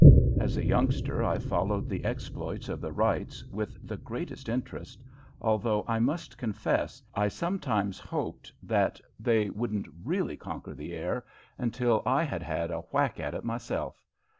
As a youngster I followed the exploits of the Wrights with the greatest interest, although I must confess I sometimes hoped that they wouldn't really conquer the air until I had had a whack at it myself.